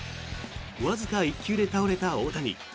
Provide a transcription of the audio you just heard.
わずか１球で倒れた大谷。